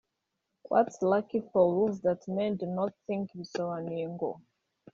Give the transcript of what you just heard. “What luck for rulers that men do not think” bisobanuye ngo